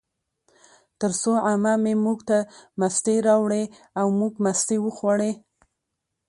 ترڅو عمه مې موږ ته مستې راوړې، او موږ مستې وخوړې